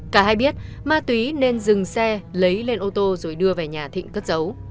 cả hay biết ma túy nên dừng xe lấy lên ô tô rồi đưa về nhà thịnh cất dấu